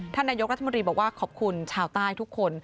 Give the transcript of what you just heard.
ท่านนายกรัฐมนตรีบอกว่าขอบคุณชาวใต้ทุกคน